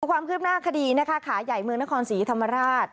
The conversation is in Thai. ความคืบหน้าคดีนะคะขาใหญ่เมืองนครศรีธรรมราช